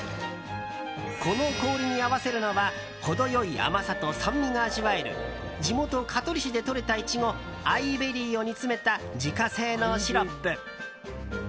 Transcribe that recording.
この氷に合わせるのは程良い甘さと酸味が味わえる地元・香取市でとれたイチゴ愛ベリーを煮詰めた自家製のシロップ。